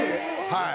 はい。